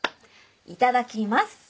いただきます。